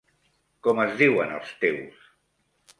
Com es diuen els teus...?